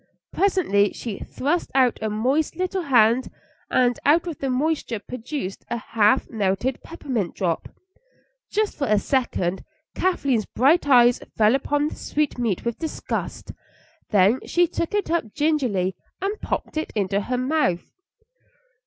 Presently she thrust out a moist little hand, and out of the moisture produced a half melted peppermint drop. Just for a second Kathleen's bright eyes fell upon the sweetmeat with disgust; then she took it up gingerly and popped it into her mouth.